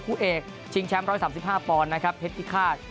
คู่เอกชิงแชมป์๑๓๕ปอนด์นะครับเพชรพิฆาต